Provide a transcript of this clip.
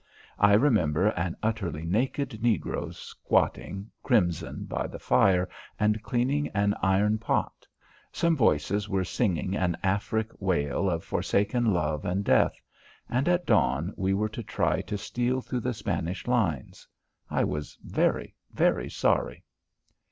I remember an utterly naked negro squatting, crimson, by the fire and cleaning an iron pot. Some voices were singing an Afric wail of forsaken love and death. And at dawn we were to try to steal through the Spanish lines. I was very, very sorry.